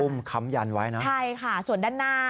ค้ำยันไว้นะใช่ค่ะส่วนด้านหน้า